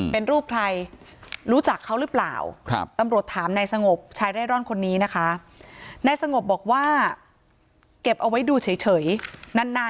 เป็นรูปใครรู้จักเขาหรือเปล่า